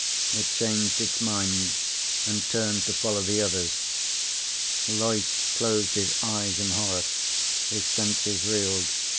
It changed its mind and turned to follow the others. Loyce closed his eyes in horror. His senses reeled.